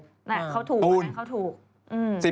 เนี่ยเขาถูก